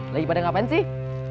lagi pada ngapain sih